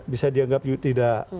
bisa dianggap tidak